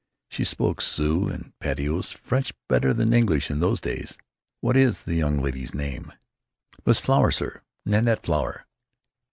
She spoke Sioux and patois French better than English in those days. What is the young lady's name?" "Miss Flower, sir. Nanette Flower."